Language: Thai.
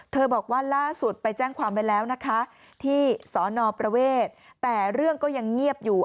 บอกว่าล่าสุดไปแจ้งความไว้แล้วนะคะที่สอนอประเวทแต่เรื่องก็ยังเงียบอยู่